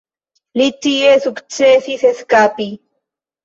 Li tie sukcesis eskapi.